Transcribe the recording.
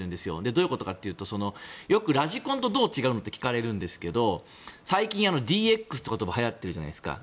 どういうことかというとよくラジコンとどう違うのと聞かれるんですけど最近、ＤＸっていう言葉が流行ってるじゃないですか。